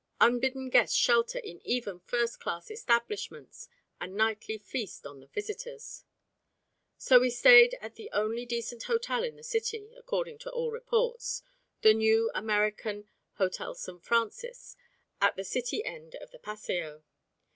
Unbidden guests shelter in even first class establishments and nightly feast on the visitors. So we stayed at the only decent hotel in the city according to all reports the new American Hotel St. Francis at the city end of the Paseo.